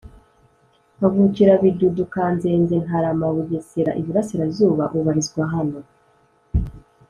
avukira BiduduKanzenze Ntarama BugeseraIburasirazuba ubarizwa hano